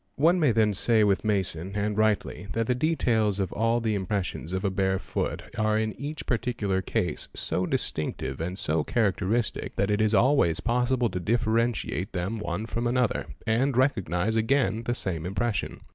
One may then say with Masson, and rightly, that the details of all the impressions of a bare foot are in each particular case so distinctive and so characteristic that it is always possible to differentiate them, one from another, and recognise again the same impression.